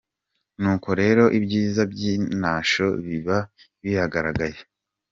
Nuko rero “ibyiza by’i Nasho” biba biragaragaye!